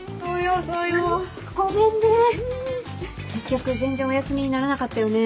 結局全然お休みにならなかったよね。